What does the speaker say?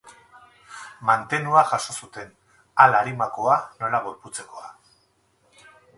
Mantenua jaso zuten, hala arimakoa nola gorputzekoa.